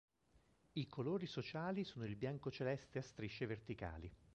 I colori sociali sono il bianco-celeste a strisce verticali.